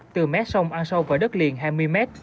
từ mét sông ăn sâu vào đất liền hai mươi mét